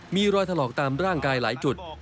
มีรอยถลอกตามร่างกายหลายจุด